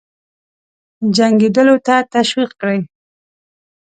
جنګېدلو ته تشویق کړي.